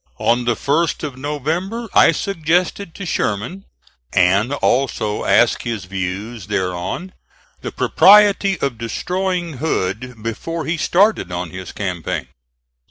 On the 1st of November I suggested to Sherman, and also asked his views thereon, the propriety of destroying Hood before he started on his campaign.